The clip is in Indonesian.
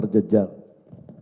karena cerjaan kita